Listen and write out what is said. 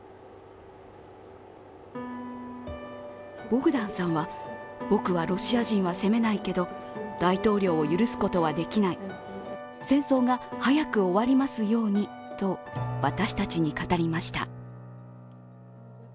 ボグダンさんは、僕はロシア人は責めないけど大統領を許すことはできない、戦争が早く終わりますようにと私たちに語りました。